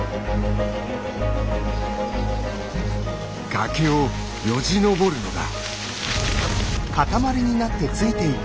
崖をよじ登るのだ。